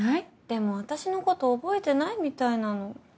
でも私の事覚えてないみたいなの。